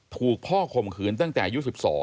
ถูกพ่อข่มขืนตั้งแต่อายุ๑๒